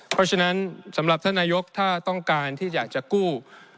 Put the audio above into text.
เพราะฉะนั้นสำหรับท่านนายกถ้าต้องการที่อยากจะกู้